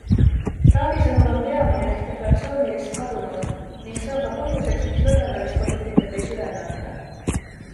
Draghi sõnul on peamine ehk deflatsioonirisk kadunud ning see on ka põhjuseks miks lõdvendamispoliitikat ei süvendata.